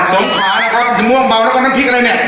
สงขานะครับมะม่วงเบาแล้วก็น้ำพริกอะไรเนี่ย